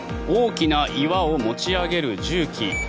大きな岩を持ち上げる重機。